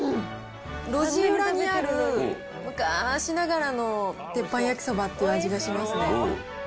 路地裏にある昔ながらの鉄板焼きそばっていう味がしますね。